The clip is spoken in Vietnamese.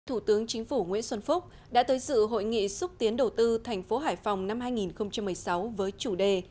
thủ tướng chính phủ nguyễn xuân phúc đã tới dự hội nghị xúc tiến đầu tư thành phố hải phòng năm hai nghìn một mươi sáu với chủ đề